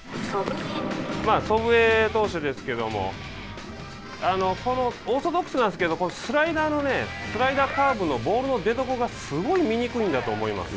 祖父江投手ですけれどもこのオーソドックスなんですけどスライダー、カーブのボールの出どころがすごい見にくいんだと思います。